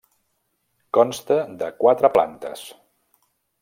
Consta de quatre plantes.